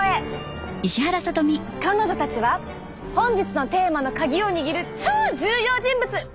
彼女たちは本日のテーマのカギを握る超重要人物！